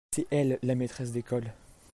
C'est elle la maîtresse d'école.